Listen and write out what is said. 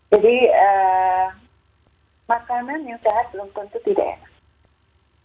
jadi makanan yang sehat belum tentu tidak enak